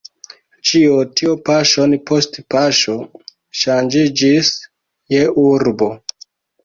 Ĉio tio paŝon post paŝo ŝanĝiĝis je urbo.